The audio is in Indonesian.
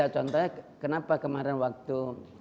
contohnya kenapa kemarin waktu